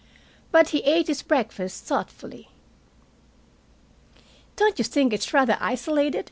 But he ate his breakfast thoughtfully. "Don't you think it's rather isolated?"